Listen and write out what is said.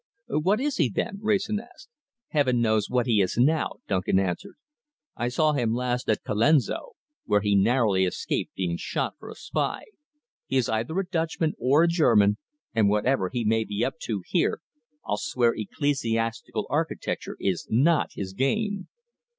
"What is he then?" Wrayson asked. "Heaven knows what he is now," Duncan answered. "I saw him last at Colenso, where he narrowly escaped being shot for a spy. He is either a Dutchman or a German, and whatever he may be up to here, I'll swear ecclesiastical architecture is not his game."